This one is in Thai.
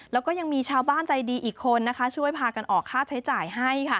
แล้วก็ยังมีชาวบ้านใจดีอีกคนช่วยพากันออกค่าใช้จ่ายให้